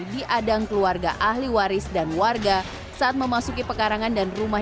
diadang keluarga ahli waris dan warga saat memasuki pekarangan dan rumah